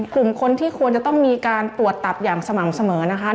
กลุ่มคนที่ควรจะต้องมีการตรวจตับอย่างสม่ำเสมอนะคะ